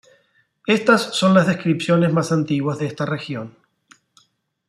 Estas son las descripciones más antiguas de esta región.